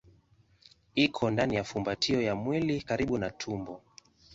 Iko ndani ya fumbatio ya mwili karibu na tumbo.